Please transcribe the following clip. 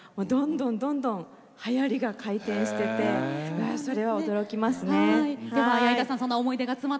どんどんはやりが回転しててそれは驚きますね。